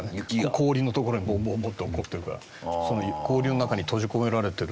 氷のところにボンボンボンって落っこってるから氷の中に閉じ込められてる。